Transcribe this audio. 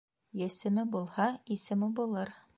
Есеме булһа, исеме булыр.